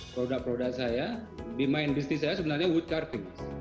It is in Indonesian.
produk produk saya di main bisnis saya sebenarnya wood carving